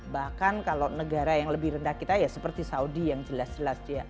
bahkan kalau negara yang lebih rendah kita ya seperti saudi yang jelas jelas dia